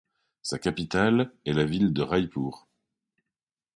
Sa capitale est la ville de Raipur.